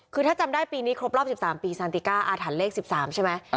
คือถ้าจำได้ปีนี้ครบรอบ๑๓ปีซานติก้าอาถรรพ์เลข๑๓ใช่ไหม